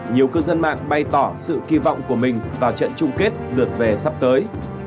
nhiều cư dân mạng bày tỏ sự kỳ vọng của mình vào trận chung kết lượt về sắp tới